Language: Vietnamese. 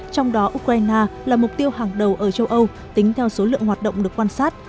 trong đó ukraine là mục tiêu hàng đầu ở châu âu tính theo số lượng hoạt động được quan sát